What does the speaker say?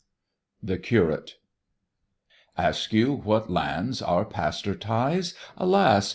THE CURATE. ASK you what lands our Pastor tithes? Alas!